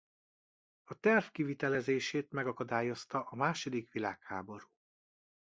A terv kivitelezését megakadályozta a második világháború.